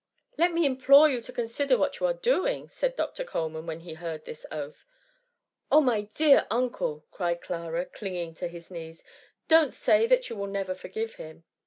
Let me implore you to consider what you are doing !^ said Dr. Coleman, when he heard « this oath. Oh, my dear uncle !" cried Clara, clinging to bis knees, "don't say that you will never forgive him."